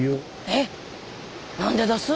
えっ？何でだす？